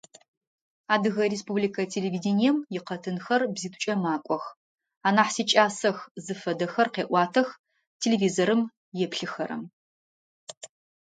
Адыгэ республикэ телевидением икъэтынхэр бзитӀукӀэ макӀох, анахь сикӀасэх, зыфэдэхэр къеӀуатэх, телевизорым еплъыхэрэм.